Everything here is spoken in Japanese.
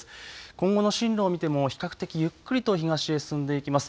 今後の進路を見ても比較的ゆっくりと東へ進んでいきます。